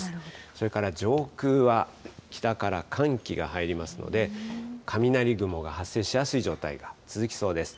それから上空は、北から寒気が入りますので、雷雲が発生しやすい状態が続きそうです。